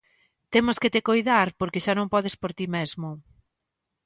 Temos que te coidar porque xa non podes por ti mesmo